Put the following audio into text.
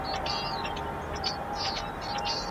ولي د نکاح پر وخت د معلوماتو تبادله ضروري ده؟